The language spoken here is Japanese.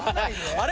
あれ？